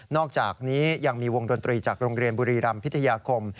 อกจากนี้ยังมีวงดนตรีจากโรงเรียนบุรีรำพิทยาคม